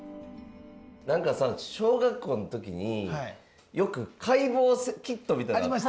何かさ小学校の時によく解剖キットみたいなのあったやん？